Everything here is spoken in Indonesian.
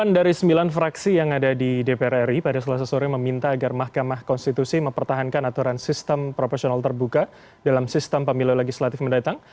delapan dari sembilan fraksi yang ada di dpr ri pada selasa sore meminta agar mahkamah konstitusi mempertahankan aturan sistem proporsional terbuka dalam sistem pemilu legislatif mendatang